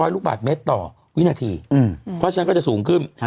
ลูกบาทเมตรต่อวินาทีเพราะฉะนั้นก็จะสูงขึ้น